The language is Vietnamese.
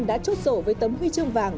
đã chốt sổ với tấm huy chương vàng